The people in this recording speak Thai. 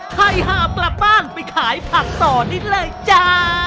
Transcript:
ใครหากลับบ้านไปขายผักต่อนิดเลยจ้า